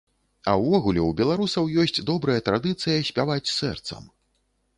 А ўвогуле, у беларусаў ёсць добрая традыцыя спяваць сэрцам.